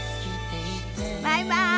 バイバイ！